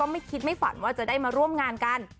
ไม่คิดไม่ฝันว่าจะได้มาร่วมงานกัน